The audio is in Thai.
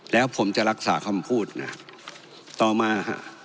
แล้วผมจะรักษาคำพูดนะต่อมาฮะ